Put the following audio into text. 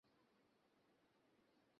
মোতির মা তাড়াতাড়ি পালিয়ে গেল।